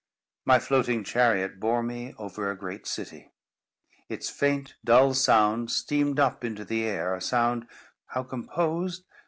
My floating chariot bore me over a great city. Its faint dull sound steamed up into the air—a sound—how composed?